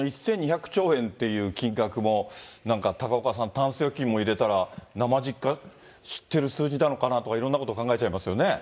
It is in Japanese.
この１２００兆円っていう金額も、なんか高岡さん、タンス預金も入れたらなまじっか、知ってる数字なのかなとか、いろんなこと考えちゃいますよね。